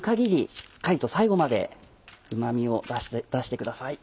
しっかりと最後までうま味を出してください。